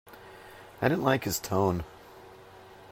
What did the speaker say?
I didn't like his tone.